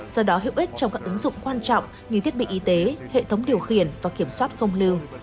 do đó hữu ích trong các ứng dụng quan trọng như thiết bị y tế hệ thống điều khiển và kiểm soát không lưu